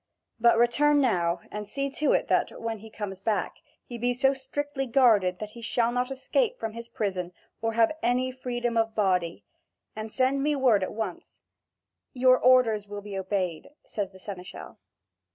But return now, and see to it that, when he comes back, he be so strictly guarded that he shall not escape from his prison or have any freedom of body: and send me word at once." "Your orders shall be obeyed," says the seneschal.